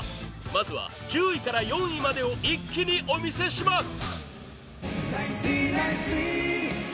まずは１０位から４位までを一気にお見せします